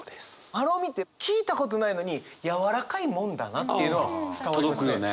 まろみって聞いたことないのにやわらかいもんだなっていうのは伝わりますよね。